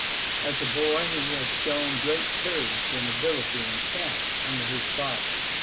As a boy he had shown great courage and ability in camp under his father.